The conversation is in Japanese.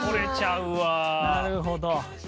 なるほど。